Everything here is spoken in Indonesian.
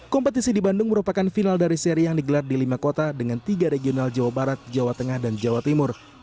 kompetisi di bandung merupakan final dari seri yang digelar di lima kota dengan tiga regional jawa barat jawa tengah dan jawa timur